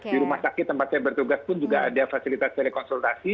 di rumah sakit tempat saya bertugas pun juga ada fasilitas telekonsultasi